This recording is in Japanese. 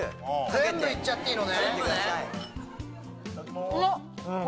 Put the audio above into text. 全部いっちゃっていいのね。